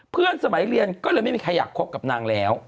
สมัยเรียนก็เลยไม่มีใครอยากคบกับนางแล้ว